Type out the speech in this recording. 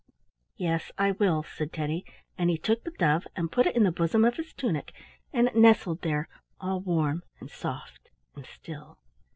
"Yes, I will," said Teddy, and he took the dove and put it in the bosom of his tunic, and it nestled there all warm and soft and still.